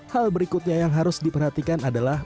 hal berikutnya yang harus diperhatikan adalah